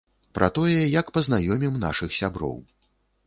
Пра тое, як пазнаёмім нашых сяброў.